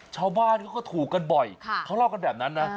ชาวบ้านเขาก็ถูกกันบ่อยเขาเล่ากันแบบนั้นนะ